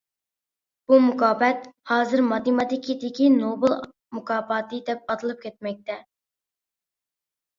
بۇ مۇكاپات ھازىر ماتېماتىكىدىكى نوبېل مۇكاپاتى دەپ ئاتىلىپ كەلمەكتە.